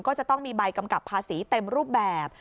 ก็จะต้องมีใบกำกับภาษีเต็มรูปแบบ